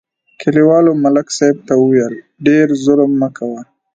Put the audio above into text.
کلیوالو ملک صاحب ته وویل: ډېر ظلم مه کوه